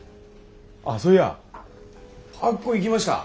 あっそういやあっこ行きました？